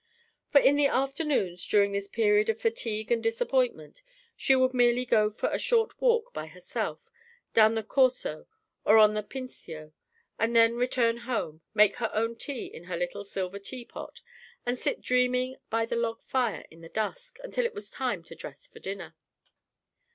For in the afternoons, during this period of fatigue and disappointment, she would merely go for a short walk by herself down the Corso or on the Pincio and then return home, make her own tea in her little silver tea pot and sit dreaming by the log fire, in the dusk, until it was time to dress for dinner.